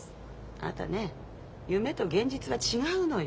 あなたね夢と現実は違うのよ。